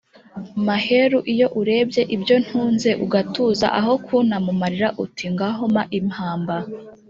Maheru iyo urebyeIbyo ntunze ugatuzaAho kunta mu marira! Uti: ngaho mpa impamba